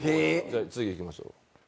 次いきましょう。